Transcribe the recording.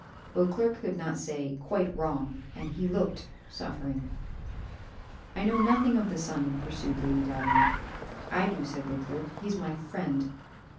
Beauclerc could not say, "Quite wrong," and he looked suffering. "I know nothing of the son," pursued Lady Davenant. "I do," said Beauclerc, "he is my friend."